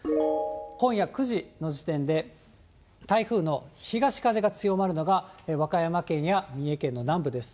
今夜９時の時点で、台風の東風が強まるのが和歌山県や三重県の南部です。